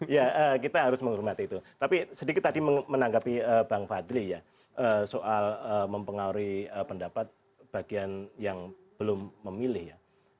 ya kita harus menghormati itu tapi sedikit tadi menanggapi bang fadli ya soal mempengaruhi pendapat bagian yang belum memilih ya